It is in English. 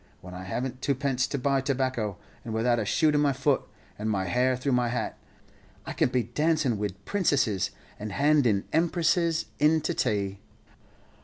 When I haven't tuppence to buy tobacco, and without a shoe to my foot, and my hair through my hat, I can be dancin' wid princesses, and handin' empresses in to tay."